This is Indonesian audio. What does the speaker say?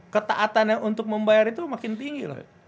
ketaatannya untuk membayar itu makin tinggi loh